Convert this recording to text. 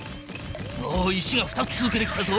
おお石が２つ続けて来たぞ。